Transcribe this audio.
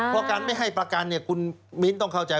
เพราะการไม่ให้ประกันคุณมิ้นต้องเข้าใจ